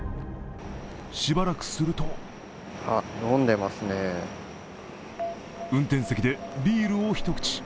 しばらくすると運転席でビールを一口。